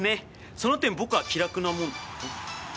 その点僕は気楽な。